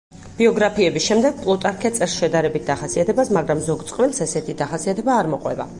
ბიოგრაფიების შემდეგ პლუტარქე წერს შედარებით დახასიათებას, მაგრამ ზოგ წყვილს ესეთი დახასიათება არ მოყვება.